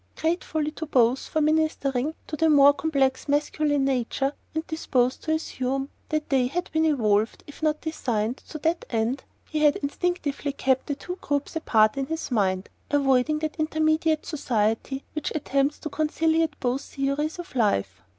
Grateful to both for ministering to the more complex masculine nature, and disposed to assume that they had been evolved, if not designed, to that end, he had instinctively kept the two groups apart in his mind, avoiding that intermediate society which attempts to conciliate both theories of life.